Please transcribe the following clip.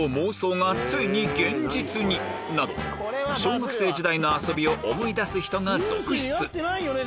小学生時代の遊びを思い出す人が続出